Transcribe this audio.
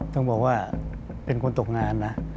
ต้องบอกว่าเป็นคนตกงานนะ